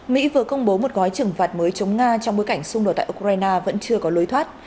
mỹ vừa công bố một gói trừng phạt mới chống nga trong bối cảnh xung đột tại ukraine vẫn chưa có lối thoát